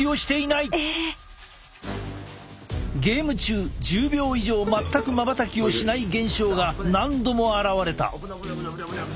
ゲーム中１０秒以上全くまばたきをしない現象が何度も現れた。